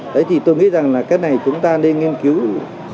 đấy thì tôi nghĩ rằng là cái này chúng ta nên nghiên cứu